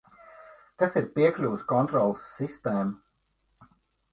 Kas ir piekļuves kontroles sistēma?